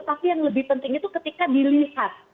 tapi yang lebih penting itu ketika dilihat